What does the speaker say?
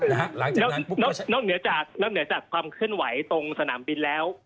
นอกเหนือจากความขึ้นไหวตรงสนามบินแล้ว